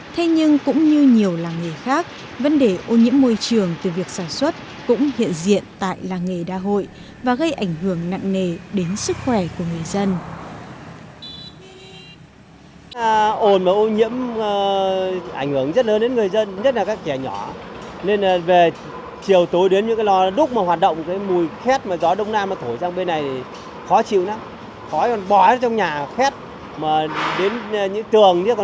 thế nhưng cũng như nhiều làng nghề khác vấn đề ô nhiễm môi trường từ việc sản xuất cũng hiện diện tại làng nghề đa hội và gây ảnh hưởng nặng nề đến sức khỏe của người dân